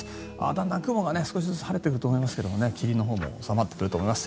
だんだん雲が少しずつ晴れてると思いますけど霧のほうも収まってくると思います。